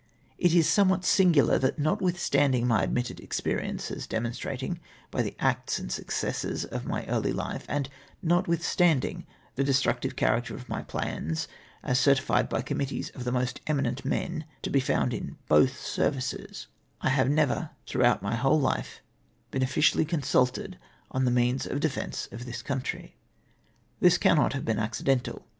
It is somewhat singular — that, notwithstanding my admitted experience, as demonstrated by the acts and success of my early life, and notwithstanding the de structive character of my plans as certified by com mittees of the most eminent men to be found in both services, / have never, throughout my whole life, been officially consulted on the means of defence of this country ! This cannot have been accidental.